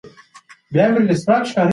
دا کلی پرمختګ ته روان دی.